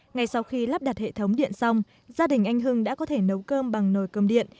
ngay sau khi lắp đặt hệ thống điện xong gia đình anh hưng đã có thể nấu cơm bằng nồi cơm điện